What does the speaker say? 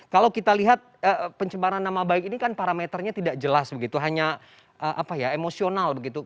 kalau kita lihat pencemaran nama baik ini kan parameternya tidak jelas begitu hanya emosional begitu